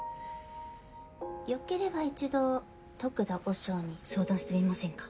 よければ一度得田和尚に相談してみませんか？